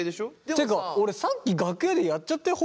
っていうか俺さっき楽屋でやっちゃったよ